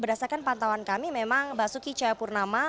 berdasarkan pantauan kami memang basuki cahaya purnama